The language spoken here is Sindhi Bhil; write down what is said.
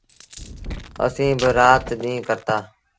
اسيٚݩ با رآت ڏيٚݩهݩ ڪرتآ۔۔